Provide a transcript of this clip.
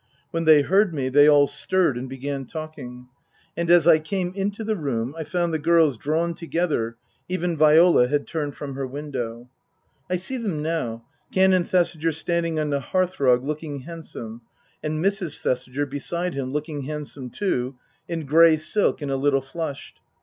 When they heard me they all stirred and began talking. And as I came into the room I found the girls drawn to gether (even Viola had turned from her window). I see them now : Canon Thesiger standing on the hearth rug, looking handsome ; and Mrs. Thesiger beside him, looking handsome, too, in grey silk and a little flushed.